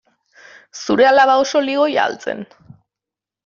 Zure alaba oso ligoia al zen?